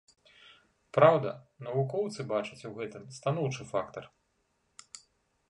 Праўда, навукоўцы бачаць у гэтым станоўчы фактар.